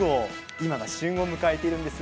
今が旬を迎えているんです。